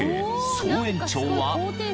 総延長は］